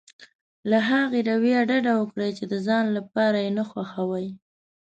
له هغې رويې ډډه وکړي چې د ځان لپاره نه خوښوي.